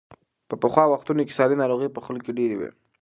په پخوا وختونو کې ساري ناروغۍ په خلکو کې ډېرې وې.